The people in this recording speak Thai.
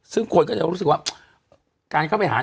ซึ่งคนก็จะรู้สึกว่า